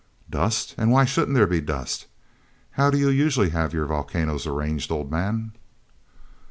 "Dust? And why shouldn't there be dust? How do you usually have your volcanoes arranged, old man?"